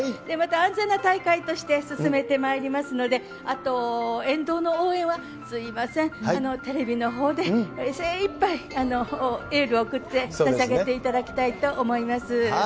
また安全な大会として進めてまいりますので、あと沿道の応援は、すみません、テレビのほうで、精いっぱいエールを送ってさしあげていただきたいと思います。